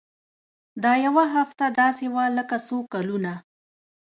دا يوه هفته داسې وه لکه څو کلونه.